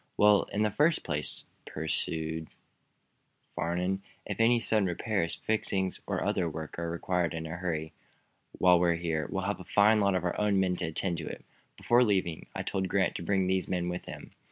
"Well, in the first place," pursued Farnum, "if any sudden repairs, fixings or other work are required in a hurry, while we're here, we have a fine lot of our own men to attend to it. Before leaving I told Grant to bring these men with him.